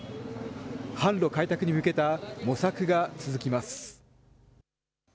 販路開拓に向けた模索が続きます。